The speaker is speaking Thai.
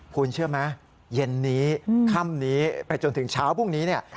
คุณเชื่อไหมเย็นนี้ค่ำนี้ไปจนถึงเช้าพรุ่งนี้เนี่ย